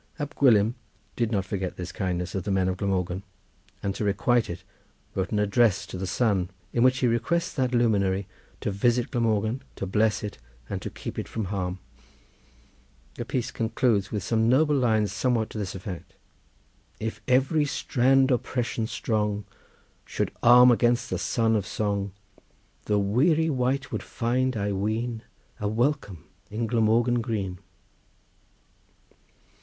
Ab Gwilym did not forget this kindness of the men of Glamorgan, and to requite it wrote an address to the sun, in which he requests that luminary to visit Glamorgan, to bless it and to keep it from harm. The piece concludes with some noble lines somewhat to this effect:— "If every strand oppression strong Should arm against the son of song, The weary wight would find, I ween, A welcome in Glamorgan green."